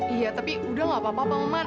iya tapi udah gak apa apa maman